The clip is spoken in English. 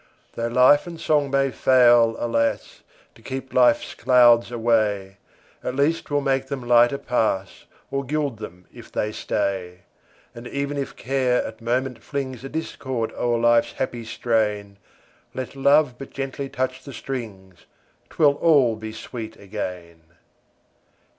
Tho' love and song may fail, alas! To keep life's clouds away, At least 'twill make them lighter pass, Or gild them if they stay. And even if Care at moments flings A discord o'er life's happy strain, Let Love but gently touch the strings, 'Twill all be sweet again!